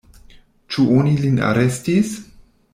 Ĉu oni lin arestis?